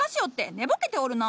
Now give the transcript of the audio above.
寝ぼけておるな。